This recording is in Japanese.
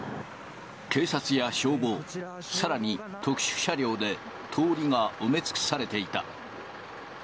警察や消防、さらに特殊車両で通りが埋め尽くされていた。